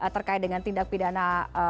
terkait dengan tindak pidana